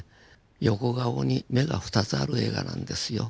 横顔に目が２つある映画なんですよ。